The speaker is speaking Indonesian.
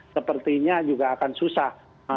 sepertinya juga akan susah